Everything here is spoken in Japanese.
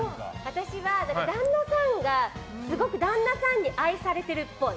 私はすごく旦那さんに愛されているっぽい。